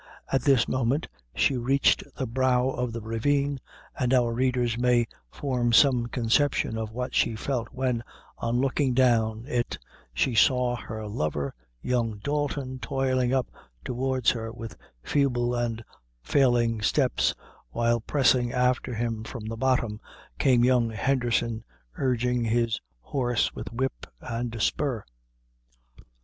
At this moment she reached the brow of the ravine, and our readers may form some conception of what she felt when, on looking down it she saw her lover, young Dalton, toiling up towards her with feeble and failing steps, while pressing after him from the bottom, came young Henderson, urging his horse with whip and spur.